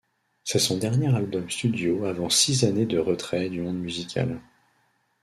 C'est son dernier album studio avant six années de retrait du monde musical.